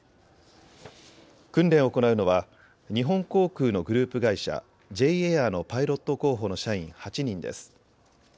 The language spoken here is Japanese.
訓練を行うのは日本航空のグループ会社、ジェイエアのパイロット候補の社員８人です。